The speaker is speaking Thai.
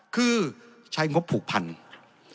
คือใช้งบผูกพันธุ์